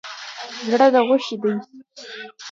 زړه ده غوښی دی